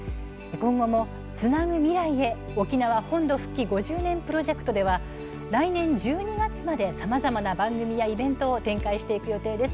今後も「つなぐ未来へ沖縄本土復帰５０年」プロジェクトでは来年１２月までさまざまな番組やイベントを展開していく予定です。